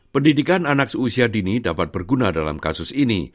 pendidikan anak seusia dini dapat berguna dalam kasus ini